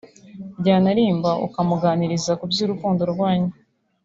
byanarimba akamuganiriza ku by’urukundo rwanyu